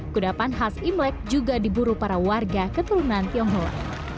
kudapan khas imlek juga diburu para warga keturunan tionghoa